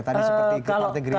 tadi seperti ke partai gerindra